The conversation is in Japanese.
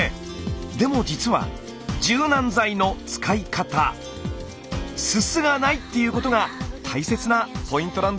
でも実は柔軟剤の使い方すすがないっていうことが大切なポイントなんです。